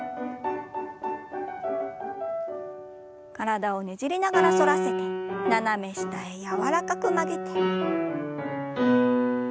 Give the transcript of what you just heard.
体をねじりながら反らせて斜め下へ柔らかく曲げて。